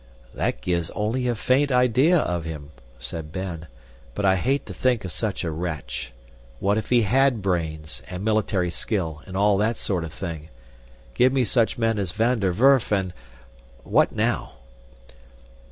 "That gives only a faint idea of him," said Ben, "but I hate to think of such a wretch. What if he HAD brains and military skill, and all that sort of thing! Give me such men as Van der Werf, and What now?"